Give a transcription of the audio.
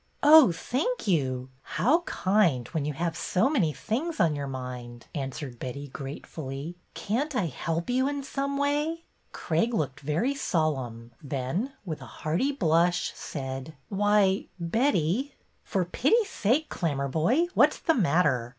Oh, thank you ! How kind, when you have so many things on your mind," answered Betty, gratefully. Can't I help you in some way?" Craig looked very solemn, then, with a hearty blush, said: ^^Why, Betty —"'' For pity's sake, Clammerboy, what 's the matter?